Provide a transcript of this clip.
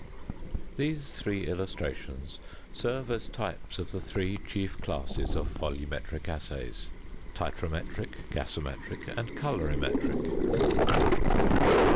These three illustrations serve as types of the three chief classes of volumetric assays titrometric, gasometric, and colorimetric.